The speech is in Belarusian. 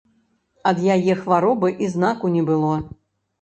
Ад яе хваробы і знаку не было.